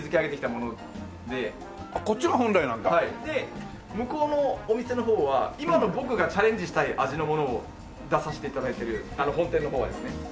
で向こうのお店の方は今の僕がチャレンジしたい味のものを出させて頂いてる本店の方はですね。